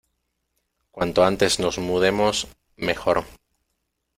Cuanto antes nos mudemos, mejor.